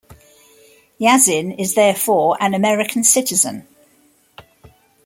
Yasin is therefore an American citizen.